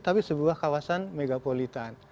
tapi sebuah kawasan megapolitan